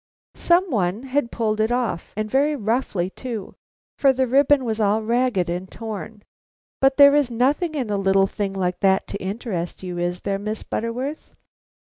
Some one had pulled it off, and very roughly too, for the ribbon was all ragged and torn. But there is nothing in a little thing like that to interest you, is there, Miss Butterworth?"